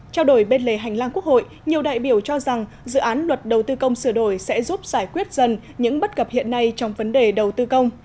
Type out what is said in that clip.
trao đổi bên lề hành lang quốc hội nhiều đại biểu cho rằng dự án luật đầu tư công sửa đổi sẽ giúp giải quyết dần những bất cập hiện nay trong vấn đề đầu tư công